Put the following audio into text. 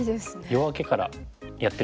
夜明けからやってるみたいな。